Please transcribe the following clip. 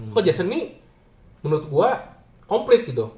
kalau jason nih menurut gue complete gitu